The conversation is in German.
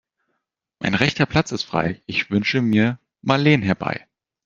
Mein rechter Platz ist frei, ich wünsche mir Marleen herbei.